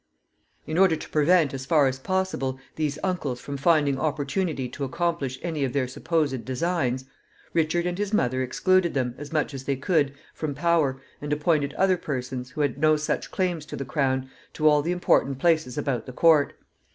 In order to prevent, as far as possible, these uncles from finding opportunity to accomplish any of their supposed designs, Richard and his mother excluded them, as much as they could, from power, and appointed other persons, who had no such claims to the crown, to all the important places about the court.